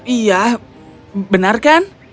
iya benar kan